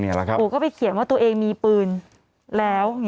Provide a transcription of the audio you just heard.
นี่แหละครับกูก็ไปเขียนว่าตัวเองมีปืนแล้ว